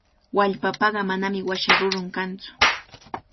Wallpapaqa manami washa rurun kantsu.